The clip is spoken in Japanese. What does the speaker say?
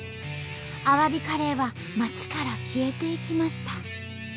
アワビカレーは町から消えていきました。